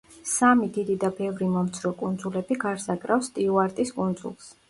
სამი დიდი და ბევრი მომცრო კუნძულები გარს აკრავს სტიუარტის კუნძულს.